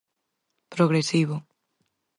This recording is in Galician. Progresivo.